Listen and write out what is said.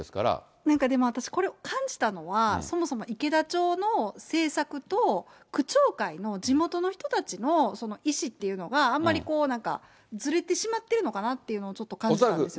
なんかでも私、これ、感じたのは、そもそも池田町の政策と、区長会の地元の人たちのその意思っていうのが、あんまりなんか、ずれてしまってるのかなぁっていうのを、ちょっと感じたんですよ